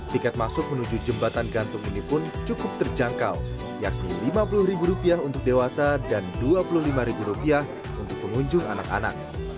tiket masuk menuju jembatan gantung ini pun cukup terjangkau yakni rp lima puluh untuk dewasa dan rp dua puluh lima untuk pengunjung anak anak